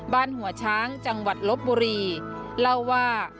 บ้านหัวช้างจังหวัดลบบุรีเล่าว่า